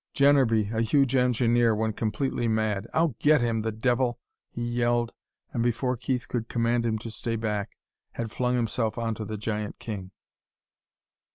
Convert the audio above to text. Jennerby, a huge engineer, went completely mad. "I'll get him, the devil!" he yelled, and before Keith could command him to stay back, had flung himself onto the giant king.